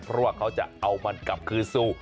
เพราะว่าเขาจะเอามันกลับคืนสู่